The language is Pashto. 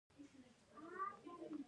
موږ باید د اوبو ضایع کیدو مخه ونیسو.